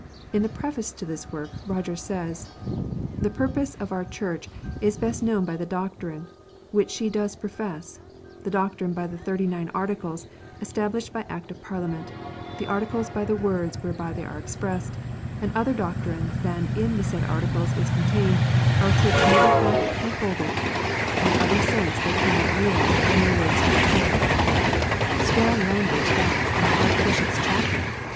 In the preface to this work Rogers says : "The purpose of our Church is best known by the doctrine which she does profess : the doctrine by the Thirty nine Articles established by Act of Parliament ; the Articles by the words whereby they are expressed : and other doctrine than in the said Articles is contained, our Church neither hath nor holdeth, and other sense they cannot yield than their words do import," THE THIRTY NINE ARTICLES. *75 Strong language that from an Archbishop s chaplain